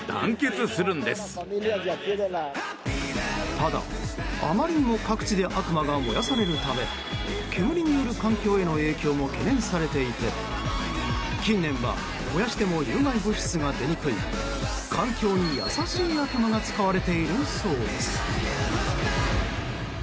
ただ、あまりにも各地で悪魔が燃やされるため煙による環境への影響も懸念されていて近年は燃やしても有害物質が出にくい環境に優しい悪魔が使われているそうです。